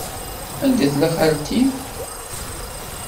Anda tella xalti-m?